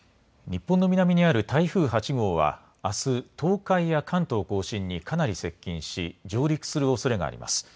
日本の南にある台風８号はあす東海や関東甲信にかなり接近し上陸するおそれがあります。